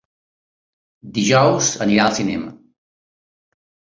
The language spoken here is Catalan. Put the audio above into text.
Dijous anirà al cinema.